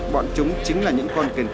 bọn chúng chính là những con kền kền ít thực